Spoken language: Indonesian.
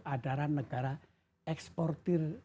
adaran negara eksportir